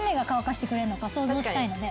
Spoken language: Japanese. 想像したいので。